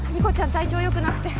体調良くなくて。